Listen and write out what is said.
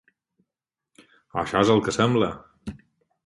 O això és el que em sembla.